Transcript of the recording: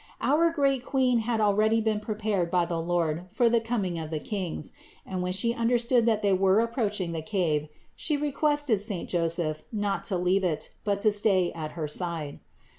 Our great Queen had already been prepared by the Lord for the coming of the Kings, and when She understood that they were ap proaching the cave, She requested saint Joseph not to leave it, but to stay at her side.